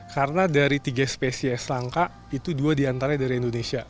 karena dari tiga spesies langka itu dua diantaranya dari indonesia